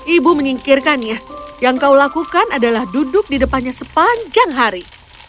ibu menyingkirkannya yang kau lakukan adalah duduk di depannya sepanjang hari